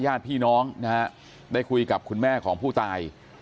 ญาติพี่น้องนะฮะได้คุยกับคุณแม่ของผู้ตาย